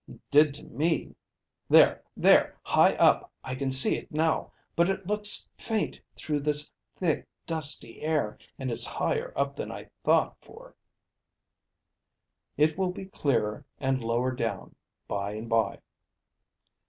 "He did to me. There, there. High up; I can see it now; but it looks faint through this thick dusty air, and it's higher up than I thought for. It will be clearer, and lower down by and by."